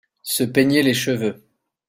Se peigner les cheveux.